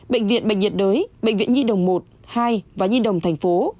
bệnh viện bệnh nhiệt đới bệnh viện nhi đồng một hai và nhi đồng thành phố